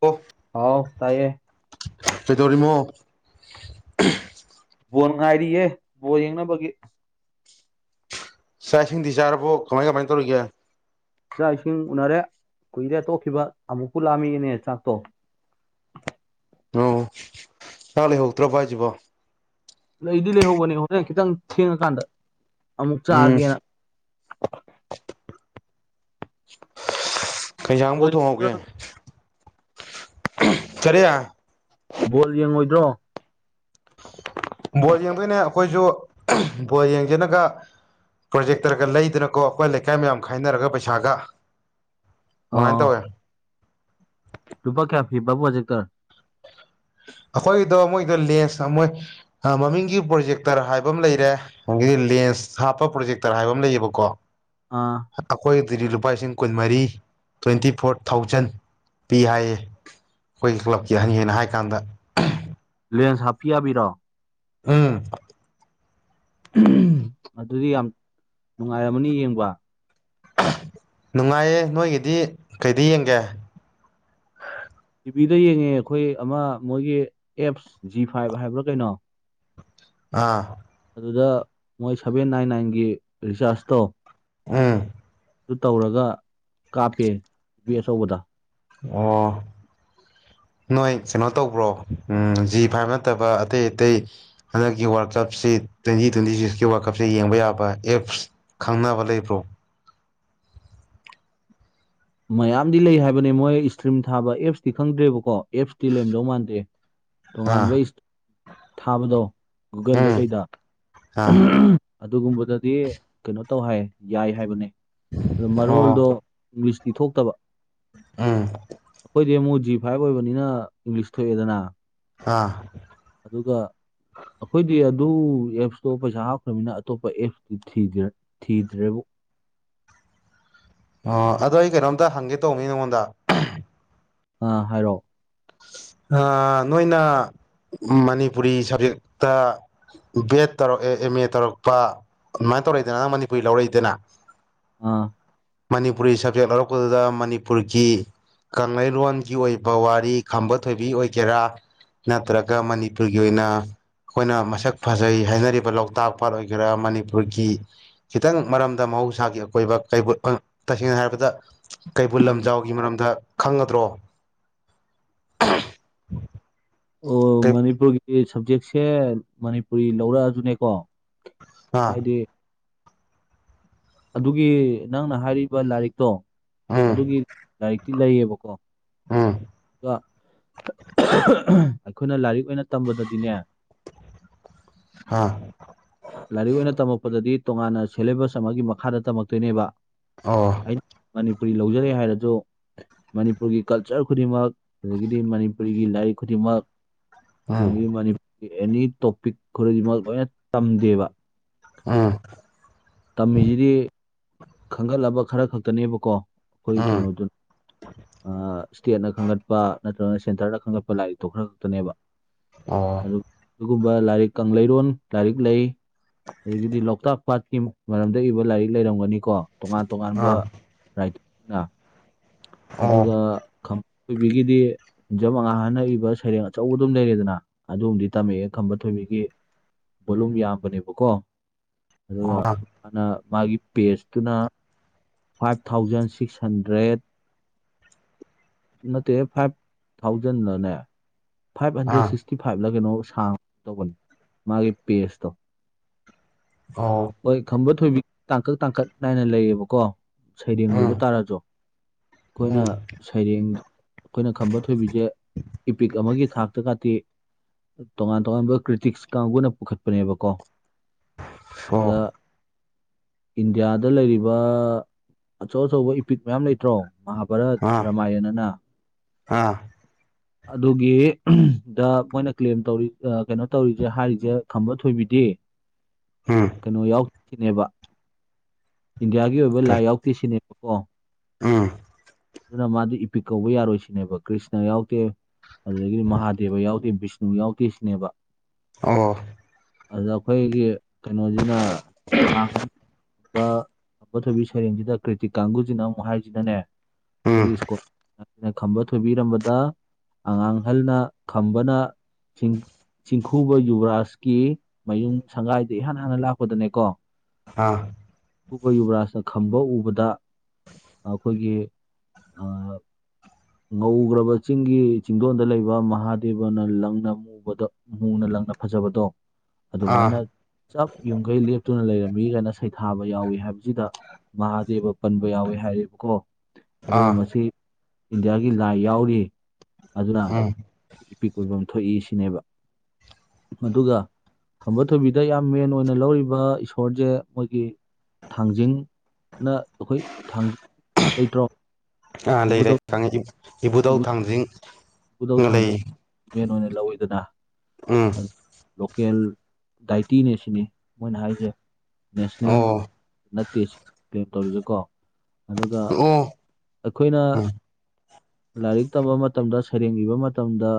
ꯑꯣ ꯍꯥꯎ ꯇꯥꯏꯌꯦ ꯀꯩꯗꯧꯔꯤꯃꯣ? ꯕꯣꯟ ꯉꯥꯏꯔꯤꯌꯦ ꯕꯣꯜ ꯌꯦꯡꯅꯕꯒꯤ ꯆꯥꯛ ꯏꯁꯤꯡꯗꯤ ꯆꯥꯔꯕꯣ ꯀꯃꯥꯏ ꯀꯃꯥꯏ ꯇꯧꯔꯤꯒꯦ? ꯆꯥꯛ ꯏꯁꯤꯡ ꯎꯅꯔꯦ ꯀꯨꯏꯔꯦ ꯇꯣꯛꯈꯤꯕ ꯑꯃꯨꯛꯄꯨ ꯂꯥꯝꯃꯛꯑꯦꯅꯦ ꯆꯥꯛꯇꯣ ꯑꯣ ꯆꯥꯛ ꯂꯩꯍꯧꯗ꯭ꯔꯕꯣ ꯍꯥꯏꯁꯤꯕꯣ ꯂꯩꯗꯤ ꯂꯩꯍꯧꯕꯅꯦ ꯍꯣꯔꯦꯟ ꯈꯤꯇꯪ ꯊꯦꯡꯑꯀꯥꯟꯗ ꯑꯃꯨꯛ ꯎꯝ ꯆꯥꯒꯦꯅꯥ ꯀꯩꯁꯥꯡꯕꯨ ꯕꯣꯜ ꯊꯣꯡꯍꯧꯒꯦ ꯀꯔꯦ ꯕꯣꯜ ꯌꯦꯡꯉꯣꯏꯗ꯭ꯔꯣ ꯕꯣꯜ ꯌꯦꯡꯗꯣꯏꯅꯦ ꯑꯩꯈꯣꯏꯁꯨ ꯕꯣꯜ ꯌꯦꯡꯁꯤꯅꯒ ꯄ꯭ꯔꯣꯖꯦꯛꯇꯔꯒ ꯂꯩꯗꯅꯀꯣ ꯑꯩꯈꯣꯏ ꯂꯩꯀꯥꯏ ꯃꯌꯥꯝ ꯈꯥꯏꯅꯔꯒ ꯄꯩꯁꯥꯒ ꯑ ꯑꯗꯨꯃꯥꯏꯅ ꯇꯧꯋꯦ ꯂꯄꯥ ꯀꯌꯥ ꯐꯤ ꯕꯥꯕꯕꯨ ꯍꯧꯖꯤꯛꯀꯔ ꯑꯩꯈꯣꯏꯒꯤꯗꯣ ꯃꯣꯏꯗꯣ ꯂꯦꯟꯁ ꯃꯣꯏ ꯃꯃꯤꯡꯒꯤ ꯄ꯭ꯔꯣꯖꯦꯛꯇꯔ ꯍꯥꯏꯕ ꯑꯃ ꯂꯩꯔꯦ ꯍꯪꯗꯤ ꯂꯦꯟꯁ ꯍꯥꯞꯄ ꯄ꯭ꯔꯣꯖꯦꯛꯇꯔ ꯍꯥꯏꯕ ꯑꯃ ꯂꯩꯌꯦꯕꯀꯣ ꯑꯥ ꯑꯩꯈꯣꯏꯗꯗꯤ ꯂꯨꯄꯥ ꯂꯤꯁꯤꯡ ꯀꯨꯟꯃꯔꯤ ꯇ꯭ꯋꯦꯟꯇꯤ ꯐꯣꯔ ꯊꯥꯎꯖꯟ ꯄꯤ ꯍꯥꯏꯌꯦ ꯑꯩꯈꯣꯏꯒꯤ ꯀ꯭ꯂꯕꯀꯤ ꯑꯍꯟꯅ ꯍꯥꯏ ꯀꯥꯟꯗ ꯂꯦꯟꯁ ꯍꯥꯞꯄꯤ ꯌꯥꯕꯤꯔꯣ ꯎꯝ ꯑꯗꯨꯗꯤ ꯌꯥꯝ ꯅꯨꯡꯉꯥꯏꯔꯝꯃꯅꯤ ꯌꯦꯡꯕ ꯅꯨꯡꯉꯥꯏꯌꯦ ꯅꯣꯏꯒꯤꯗꯤ ꯀꯩꯗꯤ ꯌꯦꯡꯒꯦ ꯇꯤꯚꯤꯗ ꯌꯦꯡꯉꯦ ꯑꯩꯈꯣꯏ ꯑꯃ ꯃꯣꯏꯒꯤ ꯑꯦꯞꯁ ꯖꯤ ꯐꯥꯏꯚ ꯍꯥꯏꯕ꯭ꯔꯥ ꯀꯩꯅꯣ ꯑꯥ ꯑꯗꯨꯗ ꯃꯣꯏ ꯁꯚꯦꯟ ꯅꯥꯏꯟ ꯅꯥꯏꯟꯒꯤ ꯔꯤꯆꯥꯔꯖ ꯇꯧ ꯑ ꯑꯗꯨ ꯇꯧꯔꯒ ꯀꯥꯞꯄꯦ [unintelligible] ꯑꯆꯧꯕꯗ ꯑꯣ ꯅꯣꯏ ꯀꯩꯅꯣ ꯇꯧꯕ꯭ꯔꯣ ꯖꯤ ꯐꯥꯏꯕ ꯅꯠꯇꯕ ꯑꯇꯩ ꯑꯇꯩ ꯍꯟꯗꯛꯀꯤ ꯋꯥꯔꯜ ꯀꯞꯁꯤ ꯇ꯭ꯋꯦꯟꯇꯤ ꯇ꯭ꯋꯦꯟꯇꯤ ꯁꯤꯛꯁꯀꯤ ꯋꯥꯔꯜ ꯀꯞꯁꯤ ꯌꯦꯡꯕ ꯌꯥꯕ ꯑꯦꯞꯁ ꯈꯪꯅꯕ ꯂꯩꯕ꯭ꯔꯣ ꯃꯌꯥꯝꯗꯤ ꯂꯩ ꯍꯥꯏꯕꯅꯦ ꯃꯣꯏ ꯏꯁꯇ꯭ꯔꯤꯝ ꯊꯥꯕ ꯑꯦꯞꯁꯇꯤ ꯈꯪꯗ꯭ꯔꯦꯕꯀꯣ ꯑꯦꯞꯁꯇꯤ ꯂꯩꯔꯝꯗꯧ ꯃꯥꯟꯗꯦ ꯑꯥ ꯇꯣꯉꯥꯟꯕ ꯊꯥꯕꯗꯣ ꯒꯨꯒꯜꯗ ꯎꯝ ꯀꯩꯗ ꯑꯥ ꯑꯗꯨꯒꯨꯝꯕꯗꯗꯤ ꯀꯩꯅꯣ ꯇꯧ ꯍꯥꯏ ꯌꯥꯏ ꯍꯥꯏꯕꯅꯦ ꯑꯗꯨ ꯑꯣ ꯃꯔꯣꯜꯗꯣ ꯏꯪꯂꯤꯁꯇꯤ ꯊꯣꯛꯇꯕ ꯎꯝ ꯈꯣꯏꯗꯤ ꯑꯃꯨꯛ ꯖꯤ ꯐꯥꯏꯚ ꯑꯣꯏꯕꯅꯤꯅ ꯏꯪꯂꯤꯁ ꯊꯣꯛꯑꯦꯗꯅ ꯑꯥ ꯑꯗꯨꯒ ꯑꯩꯈꯣꯏꯗꯤ ꯑꯗꯨ ꯑꯦꯞꯁꯇꯣ ꯄꯩꯁꯥ ꯍꯥꯞꯈ꯭ꯔꯃꯤꯅ ꯑꯇꯣꯞꯄ ꯑꯦꯞꯁꯇꯨ ꯊꯤꯗ꯭ꯔꯦ ꯊꯤꯗ꯭ꯔꯦꯕꯨ ꯑꯣ ꯑꯗꯣ ꯑꯩ ꯀꯩꯅꯣꯝꯇ ꯍꯪꯒꯦ ꯇꯧꯕꯅꯤꯅꯦ ꯅꯪꯉꯣꯟꯗ ꯑ ꯍꯥꯏꯔꯛꯑꯣ ꯑ ꯅꯣꯏꯅ ꯃꯅꯤꯄꯨꯔꯤ ꯁꯕꯖꯦꯛꯇ ꯕꯤ ꯑꯦꯗ ꯇꯧꯔꯛꯑꯦ ꯑꯦꯝ ꯑꯦ ꯇꯧꯔꯛꯄ ꯑꯗꯨꯃꯥꯏꯅ ꯇꯧꯔꯛꯏꯗꯅ ꯅꯪ ꯃꯅꯤꯄꯨꯔꯤ ꯂꯧꯔꯛꯏꯗꯅ ꯑꯥ ꯃꯅꯤꯄꯨꯔꯤ ꯁꯕꯖꯦꯛ ꯂꯧꯔꯛꯄꯗꯨꯗ ꯃꯅꯤꯄꯨꯔꯒꯤ ꯀꯪꯂꯩꯔꯣꯟꯒꯤ ꯑꯣꯏꯕ ꯋꯥꯔꯤ ꯈꯝꯕ ꯊꯣꯏꯕꯤ ꯑꯣꯏꯒꯦꯔꯥ ꯅꯠꯇ꯭ꯔꯒ ꯃꯅꯤꯄꯨꯔꯒꯤ ꯑꯣꯏꯅ ꯑꯩꯈꯣꯏꯅ ꯃꯁꯛ ꯐꯖꯩ ꯍꯥꯏꯅꯔꯤꯕ ꯂꯣꯛꯇꯥꯛ ꯄꯥꯠ ꯑꯣꯏꯒꯦꯔꯥ ꯃꯅꯤꯄꯨꯔꯒꯤ ꯈꯤꯇꯪ ꯃꯔꯝꯗ ꯃꯍꯧꯁꯥꯒꯤ ꯑꯀꯣꯏꯕ ꯀꯩꯕꯨ ꯑ ꯇꯁꯦꯡꯅ ꯍꯥꯏꯔꯕꯗ ꯀꯩꯕꯨꯜ ꯂꯝꯖꯥꯎꯒꯤ ꯃꯔꯝꯗ ꯈꯪꯒꯗ꯭ꯔꯣ [unintelligible] ꯑꯣ ꯃꯅꯤꯄꯨꯔꯒꯤ ꯁꯕꯖꯦꯛꯁꯦ ꯃꯅꯤꯄꯨꯔꯤ ꯂꯧꯔꯛꯑꯁꯨꯅꯦꯀꯣ ꯑꯥ ꯍꯥꯏꯗꯤ ꯑꯗꯨꯒꯤ ꯅꯪꯅ ꯍꯥꯏꯔꯤꯕ ꯂꯥꯏꯔꯤꯛꯇꯣ ꯎꯝ ꯑꯗꯨꯒꯤ ꯂꯥꯏꯔꯤꯛꯇꯤ ꯂꯩꯌꯦꯕꯀꯣ ꯑꯥ ꯑꯗꯨꯒ ꯑꯩꯈꯣꯏꯅ ꯂꯥꯏꯔꯤꯛ ꯑꯣꯏꯅ ꯇꯝꯕꯗꯗꯤꯅꯦ ꯍꯥ ꯂꯥꯏꯔꯤꯛ ꯑꯣꯏꯅ ꯇꯝꯃꯛꯄꯗꯗꯤ ꯇꯣꯉꯥꯟꯅ ꯁꯦꯂꯦꯕꯁ ꯑꯃꯒꯤ ꯃꯈꯥꯗ ꯇꯝꯃꯛꯇꯣꯏꯅꯦꯕ ꯑꯣ ꯑꯩꯅ ꯃꯅꯤꯄꯨꯔꯤ ꯂꯧꯖꯔꯑꯦ ꯍꯥꯏꯔꯁꯨ ꯃꯅꯤꯄꯨꯔꯒꯤ ꯀꯜꯆꯔ ꯈꯨꯗꯤꯡꯃꯛ ꯑꯗꯒꯤꯗꯤ ꯃꯅꯤ ꯄꯨꯔꯤꯒꯤ ꯂꯥꯏꯔꯤꯛ ꯈꯨꯗꯤꯡꯃꯛ ꯎꯝ [unintelligible] ꯃꯅꯤ ꯒꯤ ꯑꯦꯅꯤ ꯇꯣꯄꯤꯛ ꯈꯨꯗꯤꯃꯛ ꯂꯣꯏꯅ ꯇꯝꯗꯦꯕ ꯑ ꯇꯝꯃꯤꯁꯤꯗꯤ ꯈꯟꯒꯠꯂꯕ ꯈꯔ ꯈꯛꯇꯅꯦꯕꯀꯣ ꯑꯩꯈꯣꯏꯒꯤ ꯎꯝ ꯀꯩꯅꯣꯗꯨ ꯏꯁ꯭ꯇꯦꯠꯅ ꯈꯟꯒꯠꯄ ꯅꯠꯇ꯭ꯔꯒꯅ ꯁꯦꯟꯇꯔꯗ ꯈꯟꯒꯠꯄ ꯂꯥꯏꯔꯤꯛꯇꯣ ꯈꯔ ꯈꯛꯇꯅꯦꯕ ꯑꯣ ꯑꯗꯨꯒꯨꯝꯕ ꯂꯥꯏꯔꯤꯛ ꯀꯪꯂꯩꯔꯣꯟ ꯂꯥꯏꯔꯤꯛ ꯂꯩ ꯑꯗꯒꯤꯗꯤ ꯂꯣꯛꯇꯥꯛ ꯄꯥꯠꯀꯤ ꯃꯔꯝꯗ ꯏꯕ ꯂꯥꯏꯔꯤꯛ ꯂꯩꯔꯝꯒꯅꯤ ꯀꯣ ꯇꯣꯉꯥꯟ ꯇꯣꯉꯥꯟꯕ ꯑꯥ ꯔꯥꯏꯇꯔꯅ ꯑꯣ ꯑꯗꯨꯒ ꯈꯝꯕ ꯊꯣꯏꯕꯤꯒꯤꯗꯤ ꯍꯤꯟꯖꯝ ꯑꯉꯥꯡꯍꯟꯅ ꯏꯕ ꯁꯩꯔꯦꯡ ꯑꯆꯧꯕ ꯑꯗꯨꯝ ꯂꯩꯔꯦꯗꯅ ꯑꯗꯨꯝꯗꯤ ꯇꯝꯃꯛꯑꯦ ꯈꯝꯕ ꯊꯣꯏꯕꯤꯒꯤ ꯚꯣꯂꯨꯝ ꯌꯥꯝꯕꯅꯦꯕꯀꯣ ꯑꯗꯨꯒ ꯑꯥ ꯑꯗꯨꯅ ꯃꯥꯒꯤ ꯄꯦꯁꯇꯨꯅ ꯐꯥꯏꯚ ꯊꯥꯎꯖꯟ ꯁꯤꯛꯁ ꯍꯟꯗ꯭ꯔꯦꯠ ꯅꯠꯇꯦ ꯐꯥꯏꯚ ꯊꯥꯎꯖꯟꯟꯅꯅꯦ ꯐꯥꯏꯚ ꯑꯥ ꯍꯟꯗ꯭ꯔꯦꯠ ꯁꯤꯛꯁ ꯐꯥꯣꯔꯇꯤ ꯐꯥꯏꯚꯗ ꯀꯩꯅꯣ ꯁꯥꯡ ꯇꯧꯕꯅꯤ ꯃꯥꯒꯤ ꯄꯦꯁꯇꯣ ꯑꯣ ꯍꯣꯏ ꯈꯝꯕ ꯊꯣꯏꯕꯤ ꯇꯥꯡꯀꯛ ꯇꯥꯡꯀꯛ ꯅꯥꯏꯅ ꯂꯩꯌꯦꯕꯀꯣ ꯁꯩꯔꯦꯡ ꯎꯝ ꯑꯣꯏꯕ ꯇꯥꯔꯁꯨ ꯑꯩꯈꯣꯏꯅ ꯎꯝ ꯁꯩꯔꯦꯡ ꯑꯩꯈꯣꯏꯅ ꯈꯝꯕ ꯊꯣꯏꯕꯤꯁꯦ ꯏꯄꯤꯛ ꯑꯃꯒꯤ ꯊꯥꯛꯇ ꯀꯥꯇꯤ ꯇꯣꯉꯥꯟ ꯇꯣꯉꯥꯟꯕ ꯀ꯭ꯔꯤꯇꯤꯛꯁ ꯀꯥꯡꯕꯨꯅ ꯄꯨꯈꯠꯄꯅꯦꯕꯀꯣ ꯑꯣ ꯑꯗꯨꯗ ꯏꯟꯗꯤꯌꯥꯗ ꯂꯩꯔꯤꯕ ꯑꯆꯧ ꯑꯆꯧꯕ ꯏꯄꯤꯛ ꯃꯌꯥꯝ ꯂꯩꯇ꯭ꯔꯣ ꯃꯍꯥꯚꯥꯔꯠ ꯑꯥ ꯔꯥꯃꯥꯌꯟ ꯑꯅ ꯑꯥ ꯑꯗꯨꯒꯤ ꯗ ꯃꯣꯏꯅ ꯀ꯭ꯂꯦꯝ ꯇꯧꯔꯤ ꯀꯩꯅꯣ ꯇꯧꯔꯤꯁꯦ ꯍꯥꯏꯔꯤꯁꯦ ꯊꯝꯕ ꯊꯣꯏꯕꯤꯗꯤ ꯎꯝ ꯀꯩꯅꯣ ꯌꯥꯎꯈꯤꯅꯦꯕ ꯏꯟꯗꯤꯌꯥꯒꯤ ꯑꯣꯏꯕ ꯂꯥꯏ ꯌꯥꯎꯗꯦ ꯁꯤꯅꯦꯕꯀꯣ ꯑꯥ ꯑꯗꯨꯅ ꯃꯥꯗꯤ ꯏꯄꯤꯛ ꯀꯧꯕ ꯌꯥꯔꯣꯏꯁꯤꯅꯦꯕ ꯀ꯭ꯔꯤꯁꯅ ꯌꯥꯎꯗꯦ ꯑꯗꯨꯗꯒꯤꯗꯤ ꯃꯍꯥꯗꯦꯕ ꯌꯥꯎꯗꯦ ꯕꯤꯁꯅꯨ ꯌꯥꯎꯗꯦ ꯁꯤꯅꯦꯕ ꯑꯣ ꯑꯗ ꯑꯩꯈꯣꯏꯒꯤ ꯀꯩꯅꯣꯁꯤꯅ ꯉꯥꯡꯒꯅꯤ ꯑꯄ ꯊꯣꯏꯕꯤ ꯁꯩꯔꯦꯡꯁꯤꯗ ꯀ꯭ꯔꯤꯇꯤꯛ ꯀꯥꯡꯒꯨꯁꯤꯅ ꯑꯃꯨꯛ ꯍꯥꯏꯔꯤꯁꯤꯅꯅꯦ ꯎꯝ ꯑꯩꯈꯣꯏꯒꯤ ꯁꯀꯨꯜ ꯑꯩꯅ ꯈꯝꯕ ꯊꯣꯏꯕꯤꯔꯝꯕꯗ ꯑꯉꯥꯡ ꯑꯍꯜꯅ ꯈꯝꯕꯅ ꯆꯤꯡꯈꯨꯕ ꯌꯨꯕꯔꯥꯖꯀꯤ ꯃꯌꯨꯝ ꯁꯪꯒꯥꯏꯗ ꯏꯍꯥꯟ ꯍꯥꯟꯅ ꯂꯥꯛꯄꯗꯅꯦꯀꯣ ꯑ ꯑꯀꯄ ꯌꯨꯕꯔꯥꯖꯅ ꯈꯝꯕ ꯎꯕꯗ ꯑꯩꯈꯣꯏꯒꯤ ꯉꯧꯈ꯭ꯔꯕ ꯆꯤꯡꯒꯤ ꯆꯤꯡꯗꯣꯟꯗ ꯂꯩꯕ ꯃꯍꯥꯗꯦꯕꯅ ꯂꯪꯅ ꯑꯃꯨꯛ ꯎꯕꯗ ꯃꯨꯅ ꯂꯪꯅ ꯐꯖꯕꯗꯣ ꯑꯗꯨꯃꯥꯏꯅ ꯑꯥ ꯆꯞ ꯌꯨꯝꯈꯩ ꯂꯦꯞꯇꯨꯅ ꯂꯩꯔꯝꯃꯤ ꯀꯥꯏꯅ ꯁꯩ ꯊꯥꯕ ꯌꯥꯎꯏꯤ ꯍꯥꯏꯕꯁꯤꯗ ꯃꯍꯥꯗꯦꯕ ꯄꯟꯕ ꯌꯥꯎꯏꯤ ꯍꯥꯏꯔꯕꯀꯣ ꯑꯗꯨꯅ ꯑꯥ ꯃꯁꯤ ꯏꯟꯗꯤꯌꯥꯒꯤ ꯂꯥꯏ ꯌꯥꯎꯔꯤ ꯑꯗꯨꯅ ꯎꯝ ꯏꯄꯤꯛ ꯑꯣꯏꯣꯏꯕ ꯊꯣꯛꯏ ꯁꯤꯅꯦꯕ ꯑꯗꯨꯒ ꯈꯝꯕ ꯊꯣꯏꯕꯤꯗ ꯌꯥꯝ ꯃꯦꯟ ꯑꯣꯏꯅ ꯂꯧꯔꯤꯕ ꯏꯁꯣꯔꯁꯦ ꯃꯣꯏꯒꯤ ꯊꯥꯡꯖꯤꯡꯅ ꯑꯩꯈꯣꯏ ꯊꯥꯡꯖꯤꯡ ꯂꯩꯇ꯭ꯔꯣ ꯏꯕꯨꯙꯧ ꯂꯩꯔꯦꯉ ꯏꯕꯨꯙꯧ ꯊꯥꯡꯖꯤꯡ ꯈꯨꯕꯨꯗꯧ ꯂꯩ ꯊꯥꯡꯖ ꯃꯦꯟ ꯑꯣꯏꯅ ꯂꯧꯋꯤꯗꯅ ꯎꯝ ꯂꯣꯀꯦꯜ ꯗꯥꯏꯇꯤꯅꯦ ꯁꯤꯅꯤ ꯃꯣꯏꯅ ꯍꯥꯏꯁꯦ ꯅꯦꯁꯅꯦꯜ ꯑꯣ ꯅꯠꯇꯦ ꯄꯂꯦꯝ ꯇꯧꯔꯤꯁꯦꯀꯣ ꯑꯗꯨꯒ ꯑꯣꯥ ꯑꯩꯈꯣꯏꯅ ꯂꯥꯏꯔꯤꯛ ꯇꯝꯕ ꯃꯇꯝꯗ ꯁꯩꯔꯦꯡ ꯏꯕ ꯃꯇꯝꯗ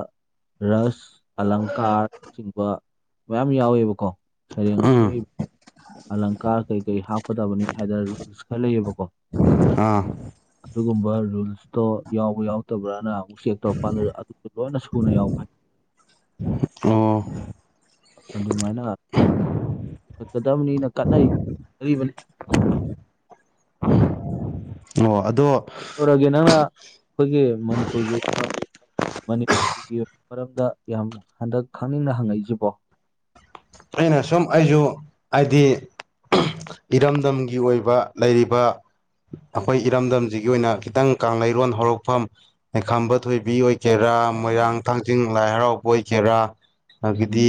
ꯔꯁ ꯑꯂꯪꯀꯥꯔꯆꯤꯡꯕ ꯃꯌꯥꯝ ꯌꯥꯎꯋꯦꯕꯀꯣ ꯁꯩꯔꯦꯡ ꯑꯃ ꯏꯕ ꯑꯥ ꯑꯂꯪꯀꯥꯔ ꯀꯩ ꯀꯩ ꯍꯥꯞꯀꯗꯕꯅꯤ ꯍꯥꯏꯗꯅ ꯔꯨꯜꯁ ꯈꯔ ꯂꯩꯌꯦꯕꯀꯣ ꯍꯥꯥ ꯑꯗꯨꯒꯨꯝꯕ ꯔꯨꯜꯁꯇꯣ ꯌꯥꯎꯕ ꯌꯥꯎꯗꯕ꯭ꯔꯅ ꯑꯃꯨꯛ ꯆꯦꯛ ꯇꯧꯔꯛꯄꯥꯟꯗꯨꯗ ꯑꯗꯨ ꯂꯣꯏꯅ ꯁꯨꯅ ꯌꯥꯎꯕ ꯍꯥꯏ ꯑꯣ ꯑꯗꯨꯃꯥꯏꯅ ꯀꯠꯀꯗꯕꯅꯤꯅ ꯀꯅꯩꯅꯤ ꯑ ꯑꯣ ꯑꯗꯣ ꯀꯩꯧꯔꯒꯦ ꯅꯪꯅ ꯑꯩꯈꯣꯏꯒꯤ ꯃꯅꯤꯄꯨꯔꯒꯤ ꯃꯅꯤꯄꯨꯔꯒꯤ ꯃꯔꯝꯗ ꯌꯥꯝ ꯍꯟꯗꯛ ꯈꯪꯅꯤꯡꯅ ꯍꯪꯉꯛꯏꯁꯤꯕꯣ ꯑꯩꯅ ꯁꯨꯝ ꯑꯩꯁꯨ ꯍꯥꯏꯗꯤ ꯏꯔꯝꯗꯝꯒꯤ ꯑꯣꯏꯕ ꯂꯩꯔꯤꯕ ꯑꯩꯈꯣꯏ ꯏꯔꯝꯗꯝꯁꯤꯒꯤ ꯑꯣꯏꯅ ꯈꯤꯇꯪ ꯀꯥꯡꯔꯣꯟ ꯍꯧꯔꯛꯐꯝ ꯂꯈꯥꯝꯕ ꯊꯣꯏꯕꯤ ꯑꯣꯏꯒꯦꯔꯥ ꯃꯣꯏꯔꯥꯡ ꯊꯥꯡꯖꯤꯡ ꯂꯥꯏ ꯍꯔꯥꯎꯕ ꯑꯣꯏꯒꯦꯔꯥ ꯑꯗꯒꯤꯗꯤ ꯎꯝ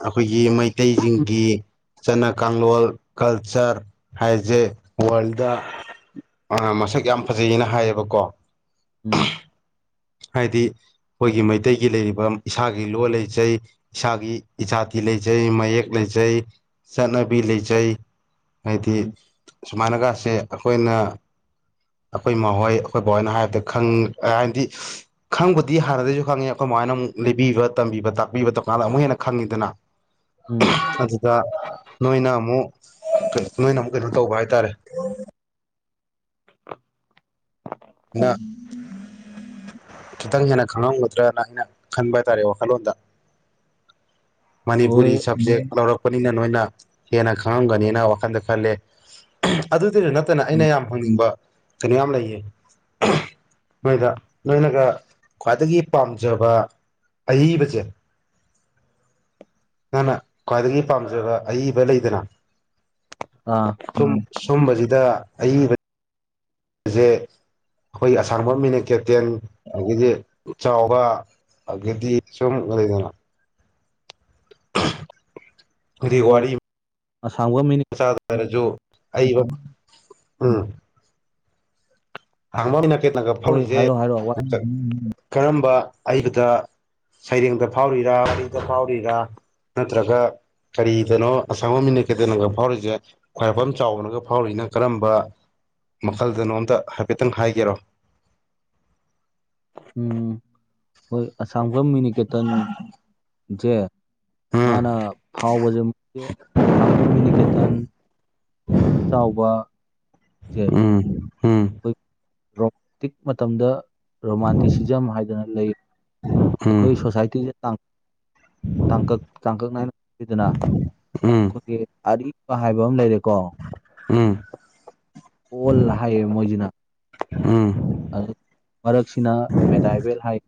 ꯑꯩꯈꯣꯏꯒꯤ ꯃꯩꯇꯩꯁꯤꯡꯒꯤ ꯆꯠꯅ ꯀꯥꯡꯂꯣꯟ ꯀꯜꯆꯔ ꯍꯥꯏꯁꯦ ꯋꯥꯔꯜꯗ ꯑ ꯃꯁꯛ ꯌꯥꯝ ꯐꯖꯩꯅ ꯍꯥꯏꯌꯦꯕꯀꯣ ꯎꯝ ꯍꯥꯏꯗꯤ ꯑꯩꯈꯣꯏꯒꯤ ꯃꯩꯇꯩꯒꯤ ꯂꯩꯔꯤꯕ ꯏꯁꯥꯒꯤ ꯂꯣ ꯂꯩꯖꯩ ꯏꯁꯥꯒꯤ ꯏꯖꯥꯊꯤ ꯂꯩꯖꯩ ꯃꯌꯦꯛ ꯂꯩꯖꯩ ꯆꯠꯅꯕꯤ ꯂꯩꯖꯩ ꯍꯥꯏꯗꯤ ꯎꯝ ꯁꯨꯃꯥꯏꯅꯒꯥꯁꯦ ꯑꯩꯈꯣꯏꯅ ꯑꯩꯈꯣꯏ ꯃꯈꯣꯏ ꯑꯩꯈꯣꯏ ꯕꯕꯥꯣꯏꯅ ꯍꯥꯏꯕꯗ ꯈꯪ ꯍꯥꯏꯗꯤ ꯈꯪꯕꯨꯗꯤ ꯍꯥꯟꯅꯗꯩꯁꯨ ꯈꯪꯉꯤ ꯑꯩꯈꯣꯏ ꯃꯃꯥꯏꯅ ꯑꯃꯨꯛ ꯂꯤꯕꯤꯕ ꯇꯝꯕꯤꯕ ꯇꯥꯛꯄꯤꯕ ꯇꯧꯀꯥꯟꯗ ꯑꯃꯨꯛ ꯍꯦꯟꯅ ꯈꯪꯉꯤꯗꯅ [inaudible] ꯎꯝ ꯑꯗꯨꯗ ꯅꯣꯏꯅ ꯑꯃꯨꯛ ꯅꯣꯏꯅ ꯑꯃꯨꯛ ꯀꯩꯅꯣ ꯇꯧꯕ ꯍꯥꯏꯇꯥꯔꯦ ꯅ ꯈꯤꯇꯪ ꯍꯦꯟꯅ ꯈꯪꯉꯝꯒꯗ꯭ꯔꯅ ꯑꯩꯅ ꯈꯟꯕ ꯍꯥꯏ ꯇꯥꯔꯦ ꯋꯥꯈꯜꯂꯣꯟꯗ ꯃꯅꯤꯄꯨꯔꯤ ꯍꯣꯏ ꯁꯕꯖꯦꯛ ꯂꯧꯔꯛꯄꯅꯤꯅ ꯅꯣꯏꯅ ꯍꯦꯟꯅ ꯈꯪꯉꯝꯒꯅꯤꯅ ꯋꯥꯈꯜꯗ ꯈꯜꯂꯦ ꯑꯗꯨꯗꯗ ꯅꯠꯇꯅ ꯎꯝ ꯑꯩꯅ ꯌꯥꯝ ꯍꯪꯅꯤꯡꯕ ꯀꯩꯅꯣ ꯌꯥꯝ ꯂꯩꯌꯦ ꯃꯣꯏꯗ ꯅꯣꯏꯅꯒ ꯈ꯭ꯋꯥꯏꯗꯒꯤ ꯄꯥꯝꯖꯕ ꯑꯏꯕꯁꯦ ꯅꯪꯅ ꯈ꯭ꯋꯥꯏꯗꯒꯤ ꯄꯥꯝꯖꯕ ꯑꯏꯕ ꯂꯩꯗꯅ ꯑꯥ ꯁꯨꯝ ꯁꯨꯝꯕꯁꯤꯗ ꯑꯏꯕꯁꯦ ꯑꯩꯈꯣꯏꯒꯤ ꯑꯁꯥꯡꯕꯝ ꯃꯤꯅ ꯀꯦꯇꯦꯟ ꯑꯗꯒꯤꯗꯤ ꯆꯥꯎꯕ ꯑꯦ ꯁꯝ ꯀ ꯋꯥ ꯋꯥꯔꯤ ꯑꯁꯝꯒ ꯃ ꯆꯗꯔꯁꯨ ꯑꯩꯕ ꯎꯝ ꯍꯥꯡꯕꯒꯤ ꯅꯥꯀꯦꯠ ꯅꯥꯀꯠ ꯍꯣꯏ ꯐꯧꯔꯤꯁꯦ ꯍꯥꯏꯔꯣ ꯍꯥꯏꯔꯣ ꯋꯥ ꯀꯔꯝꯕ ꯑꯕꯗ ꯁꯩꯔꯦꯡꯗ ꯐꯥꯎꯔꯤꯔꯥ ꯋꯥꯔꯤꯗ ꯐꯥꯎꯔꯤꯔꯥ ꯅꯠꯇ꯭ꯔꯒ ꯀꯔꯤꯗꯅꯣ ꯑꯁꯪꯕ ꯃꯤꯅ ꯀꯈꯤꯇ ꯅꯪꯒ ꯐꯥꯎꯔꯤꯁꯦ ꯈ꯭ꯋꯥꯏꯔꯥꯛꯄꯝ ꯆꯥꯎꯕꯅꯒ ꯐꯥꯎꯔꯤꯖꯦ ꯅꯪ ꯀꯔꯝꯕ ꯃꯈꯜꯗꯅꯣ ꯑꯝꯇ ꯍꯥꯏꯐꯦꯠꯇꯪ ꯍꯥꯏꯒꯦꯔꯣ ꯎꯝ ꯍꯣꯏ ꯑꯁꯥꯡꯕꯝ ꯃꯤꯅꯤꯀꯦꯇꯟ ꯖꯦ ꯎꯝ ꯃꯥꯅ ꯐꯥꯎꯕꯖꯦ [unintelligible] ꯑꯁꯥꯡꯕꯝ ꯃꯤꯅꯤꯀꯦꯇꯟ ꯆꯥꯎꯕ ꯖꯦ ꯎꯝ ꯎꯝ ꯔꯣꯞ ꯇꯤꯛ ꯃꯇꯝꯗ ꯔꯣꯃꯥꯟꯇꯤꯁꯤꯖꯝ ꯍꯥꯏꯗꯅ ꯂꯩ ꯑꯩꯈꯣꯏ ꯁꯣꯁꯥꯏꯇꯤꯗ ꯇꯥꯡ ꯇꯥꯡꯀꯛ ꯇꯥꯡꯀꯛ ꯅꯥꯏꯅ ꯄꯨꯏꯗꯅ ꯎꯝ ꯑꯩꯈꯣꯏꯒꯤ ꯑꯔꯤꯕ ꯍꯥꯏꯕ ꯑꯃꯥ ꯂꯩꯔꯦꯀꯣ ꯎꯝ ꯑꯣꯜ ꯍꯥꯏꯌꯦ ꯃꯣꯏꯖꯤꯅ ꯎꯝ ꯑꯗꯩ ꯃꯔꯛꯁꯤꯅ ꯃꯦꯗꯥꯏꯕꯦꯜ ꯍꯥꯏ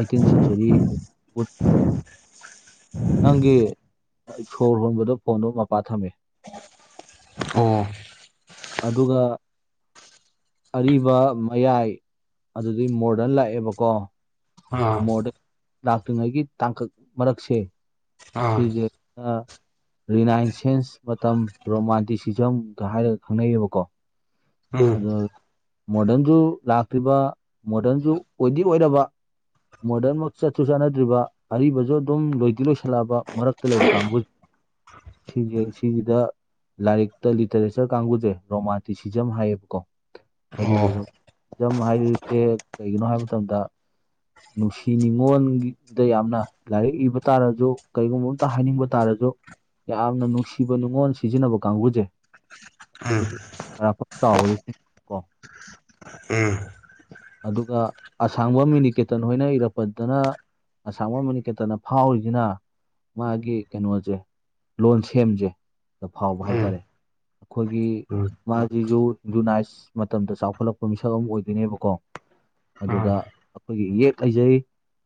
ꯑꯩꯇꯤꯟ ꯁꯦꯟꯆꯨꯔꯤ ꯅꯪꯒꯤ ꯁꯣꯔ ꯍꯣꯟꯕꯗ ꯐꯣꯟꯗꯣ ꯃꯄꯥ ꯊꯝꯃꯦ ꯑꯣ ꯑꯗꯨꯒ ꯑꯔꯤꯕ ꯃꯌꯥꯏ ꯑꯗꯨꯗꯩ ꯃꯣꯔꯗꯔꯟ ꯂꯥꯛꯑꯦꯕꯀꯣ ꯑꯥ ꯃꯣꯗꯔꯟ ꯂꯥꯛꯇ꯭ꯔꯤꯉꯩꯒꯤ ꯇꯥꯡꯀꯛ ꯃꯔꯛꯁꯦ ꯑꯥ ꯁꯤꯖꯦ ꯑ ꯔꯤꯅꯥꯏꯟ ꯁꯦꯟꯁ ꯃꯇꯝ ꯔꯣꯃꯥꯟꯇꯤꯁꯤꯖꯝꯒ ꯍꯥꯏꯔꯒ ꯈꯪꯅꯩꯑꯕꯀꯣ ꯎꯝ ꯑꯗꯣ ꯃꯣꯗꯔꯟꯖꯨ ꯂꯥꯛꯇ꯭ꯔꯤꯕ ꯃꯣꯗꯔꯟꯖꯨ ꯑꯣꯏꯗꯤ ꯑꯣꯏꯔꯕ ꯃꯣꯗꯔꯟ ꯃꯛ ꯆꯠꯁꯨ ꯆꯠꯅꯗ꯭ꯔꯤꯕ ꯑꯔꯤꯕꯖꯨ ꯑꯗꯨꯝ ꯂꯣꯏꯗꯤ ꯂꯣꯏꯁꯤꯜꯂꯛꯑꯕ ꯃꯔꯛꯇ ꯂꯩꯕ ꯀꯥꯡꯕꯨ ꯁꯤꯖꯦ ꯁꯤꯒꯤꯗ ꯂꯥꯏꯔꯤꯛꯇ ꯂꯤꯇꯔꯦꯆꯔ ꯀꯥꯡꯕꯨꯁꯦ ꯔꯣꯃꯥꯟꯇꯤꯁꯤꯖꯝ ꯍꯥꯏꯌꯦꯕꯀꯣ ꯍꯥꯏꯗꯤ ꯑꯣ ꯔꯣꯖꯝ ꯍꯥꯏꯔꯤꯁꯦ ꯀꯩꯒꯤꯅꯣ ꯍꯥꯏꯕ ꯃꯇꯝꯗ ꯅꯨꯡꯁꯤ ꯅꯤꯉꯣꯟꯒꯤ ꯗ ꯌꯥꯝꯅ ꯂꯥꯏꯔꯤꯛ ꯏꯕ ꯇꯥꯔꯁꯨ ꯀꯔꯤꯒꯨꯝꯕ ꯑꯝꯇ ꯍꯥꯏꯅꯤꯡꯕ ꯇꯥꯔꯁꯨ ꯌꯥꯝꯅ ꯅꯨꯡꯁꯤꯕ ꯅꯨꯡꯉꯣꯟ ꯁꯤꯖꯤꯟꯅꯕ ꯀꯥꯡꯕꯨꯁꯦ ꯎꯝ [unintelligible] ꯈ꯭ꯋꯥꯏꯔꯥꯛꯄꯝ ꯆꯥꯎꯕ [unintelligible] ꯎꯝ ꯑꯗꯨꯒ ꯑꯁꯥꯡꯕꯝ ꯃꯤꯅꯤꯀꯦ ꯇꯟ ꯍꯣꯏꯅ ꯏꯔꯛꯄꯗꯅ ꯑꯁꯥꯡꯕꯝ ꯃꯤꯅꯤꯀꯦꯇꯟꯅ ꯐꯥꯎꯔꯤꯖꯤꯅ ꯇ ꯃꯥꯒꯤ ꯀꯩꯅꯣꯖꯦ ꯂꯣꯟ ꯁꯦꯝꯖꯦ ꯁꯤꯗ ꯐꯥꯎꯕ ꯎꯝ ꯍꯥꯏꯇꯥꯔꯦ ꯑꯩꯈꯣꯏꯒꯤ ꯎꯝ ꯃꯥꯖꯤꯖꯨ ꯌꯨꯅꯥꯏꯁ ꯃꯇꯝꯗ ꯆꯥꯎꯈꯠꯂꯛꯄ ꯃꯤꯁꯛ ꯑꯃꯥ ꯑꯣꯏꯗꯣꯏꯅꯦꯕꯀꯣ ꯑꯗꯨꯗ ꯑꯩꯈꯣꯏꯒꯤ ꯏꯌꯦꯛ ꯂꯩꯖꯩ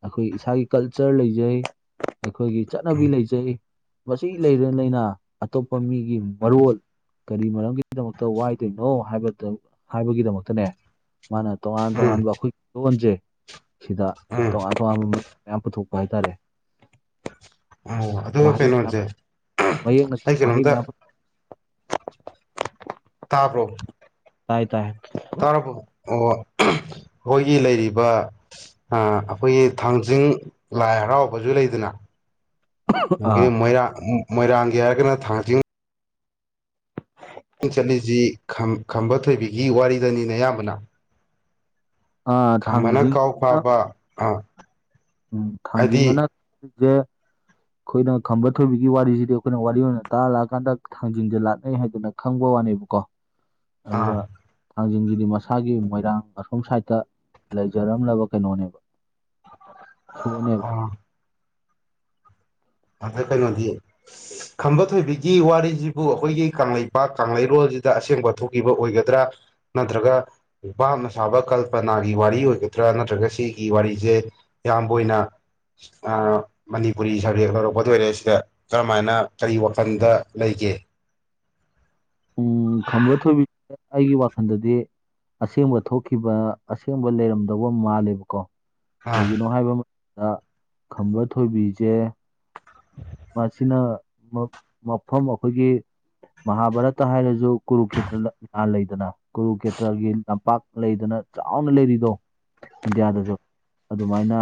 ꯑꯩꯈꯣꯏ ꯏꯁꯥꯒꯤ ꯀꯜꯆꯔ ꯂꯩꯖꯩ ꯑꯩꯈꯣꯏꯒꯤ ꯆꯠꯅꯕꯤ ꯂꯩꯖꯩ ꯃꯁꯤ ꯂꯩꯔ ꯂꯩꯅ ꯑꯇꯣꯞꯄ ꯃꯤꯒꯤ ꯃꯔꯣꯜ ꯀꯔꯤ ꯃꯔꯝꯒꯤꯗꯃꯛꯇ ꯋꯥꯏꯗꯣꯏꯅꯣ ꯍꯥꯏꯕꯗꯪ ꯍꯥꯏꯕꯒꯤꯗꯃꯛꯇꯅꯦ ꯃꯥꯅ ꯇꯣꯉꯥꯟ ꯎꯝ ꯎꯝ ꯎꯝ ꯇꯣꯉꯥꯟꯕ ꯑꯩꯈꯣꯏ ꯂꯣꯟꯖꯦ ꯁꯤꯗ ꯎꯝ ꯇꯣꯉꯥꯟ ꯇꯣꯉꯥꯟꯕ [unintelligible] ꯃꯌꯥꯝ ꯄꯨꯊꯣꯛꯄ ꯍꯥꯏꯇꯥꯔꯦ ꯑꯣ ꯑꯗꯨꯒ ꯋꯥꯍꯩ ꯃꯌꯥꯝ ꯀꯩꯅꯣꯖꯦ ꯃꯌꯦꯛꯅ [unintelligible] ꯑꯩ ꯋꯥꯍꯩ ꯀꯩꯅꯣꯝꯇ ꯃꯌꯥꯝ ꯇꯥꯕ꯭ꯔꯣ ꯇꯥꯏ ꯇꯥꯏ ꯇꯥꯔꯕꯣ ꯑꯣ [unintelligible] ꯑꯈꯣꯏꯒꯤ ꯂꯩꯔꯤꯕ ꯑ ꯑꯩꯈꯣꯏꯒꯤ ꯊꯥꯡꯖꯤꯡ ꯂꯥꯏ ꯍꯔꯥꯎꯕꯖꯨ ꯂꯩꯗꯅ ꯑꯥ [unintelligible] ꯃꯣꯏꯔꯥꯡ ꯃꯣꯏꯔꯥꯡꯒꯤ ꯍꯥꯏꯔꯒꯅ ꯊꯥꯡ ꯖꯤꯡ [unintelligible] ꯆꯠꯂꯤꯖꯤ ꯇꯝ ꯕꯝꯕ ꯊꯣꯏꯕꯤꯒꯤ ꯋꯥꯔꯤꯗꯅꯤꯅꯦ ꯑꯌꯥꯝꯕꯅ ꯑꯥ ꯈꯝꯕꯅ ꯊꯥꯡꯖꯤꯡ ꯀꯥꯎ ꯐꯥꯕ ꯑꯥ ꯎꯝ ꯍꯥꯏꯗꯤ ꯊꯥꯡꯖꯤꯡꯑꯅ [unintelligible] ꯖꯦ ꯑꯩꯈꯣꯏꯅ ꯈꯝꯕ ꯊꯣꯏꯕꯤꯒꯤ ꯋꯥꯔꯤꯁꯤꯗꯤ ꯑꯩꯈꯣꯏꯅ ꯋꯥꯔꯤ ꯑꯣꯏꯅ ꯇꯥꯔ ꯂꯥꯛꯑꯀꯥꯟꯗ ꯊꯥꯡꯖꯤꯟꯁꯦ ꯂꯥꯠꯅꯩ ꯍꯥꯏꯗꯅ ꯈꯪꯕ ꯋꯥꯅꯦꯕꯀꯣ ꯑꯥ ꯑꯗꯨꯒ ꯊꯥꯡꯖꯤꯡꯁꯤꯗꯤ ꯃꯁꯥꯒꯤ ꯃꯣꯏꯔꯥꯡ ꯑꯁꯣꯝ ꯁꯥꯏꯠꯇ ꯂꯩꯖꯔꯝꯂꯕ ꯀꯩꯅꯣꯅꯦꯕ ꯏꯁꯣꯔꯅꯦꯕ ꯑꯥ ꯑꯗ ꯀꯩꯅꯣ ꯗꯤ ꯈꯝꯕ ꯊꯣꯏꯕꯤꯒꯤ ꯋꯥꯔꯤꯁꯤꯕꯨ ꯑꯩꯈꯣꯏꯒꯤ ꯀꯪꯂꯩꯄꯥꯛ ꯀꯪꯂꯩꯔꯣꯜꯁꯤꯗ ꯑꯁꯦꯡꯕ ꯊꯣꯛꯈꯤꯕ ꯑꯣꯏꯒꯗ꯭ꯔꯥ ꯅꯠꯇ꯭ꯔꯒ ꯥ ꯚꯥꯞ ꯅ ꯁꯥꯕ ꯀꯜꯄꯅꯥꯒꯤ ꯋꯥꯔꯤ ꯑꯣꯏꯒꯗ꯭ꯔꯥ ꯅꯠꯇ꯭ꯔꯒ ꯁꯤꯒꯤ ꯋꯥꯔꯤꯁꯦ ꯏꯌꯥꯝꯕ ꯑꯣꯏꯅ ꯃꯅꯤꯄꯨꯔꯤ ꯔꯦꯛ ꯂꯧꯔꯛꯄꯗ ꯑꯣꯏꯔꯦ ꯁꯤꯗ ꯀꯔꯝꯍꯥꯏꯅ ꯀꯔꯤ ꯋꯥꯈꯜꯗ ꯂꯩꯒꯦ ꯎꯝ ꯈꯝꯕ ꯊꯣꯏꯕꯤ ꯑꯩꯒꯤ ꯋꯥꯈꯜꯗꯗꯤ ꯑꯁꯦꯡꯕ ꯊꯣꯛꯈꯤꯕ ꯑꯁꯦꯡꯕ ꯂꯩꯔꯝꯗꯧꯕ ꯃꯥꯜꯂꯦꯕꯀꯣ ꯑꯥ ꯀꯩꯒꯤꯅꯣ ꯍꯥꯏꯕ ꯑꯃ ꯑ ꯈꯝꯕ ꯊꯣꯏꯕꯤꯁꯦ ꯃꯁꯤꯅ ꯃꯐꯝ ꯑꯩꯈꯣꯏꯒꯤ ꯃꯍꯥꯚꯥꯔꯠꯇ ꯍꯥꯏꯔꯁꯨ ꯀꯒꯨꯔꯨ ꯈꯦꯇ꯭ꯔ ꯂꯥꯟ ꯂꯩꯗꯅ ꯀꯒꯨꯔꯨꯀꯦꯇ꯭ꯔꯒꯤ ꯂꯝꯄꯥꯛ ꯂꯩꯗꯅ ꯆꯥꯎꯅ ꯂꯩꯔꯤꯗꯣ ꯏꯟꯗꯤꯌꯥꯗꯁꯨ ꯑꯗꯨꯃꯥꯏꯅ